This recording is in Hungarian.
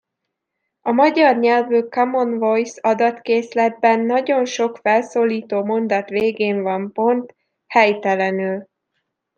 A magyar nyelvű Common Voice adatkészletben nagyon sok felszólító mondat végén van pont, helytelenül.